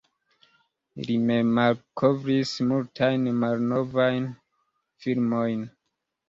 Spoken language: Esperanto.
Li remalkovris multajn malnovajn filmojn.